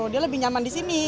dia lebih nyaman disini